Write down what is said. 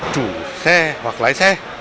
chủ xe hoặc lái xe